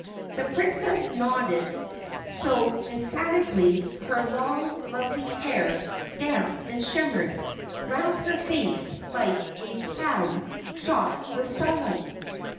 The Princess nodded so emphatically her long, lovely hair danced and shimmered round her face like a cloud shot with starlight.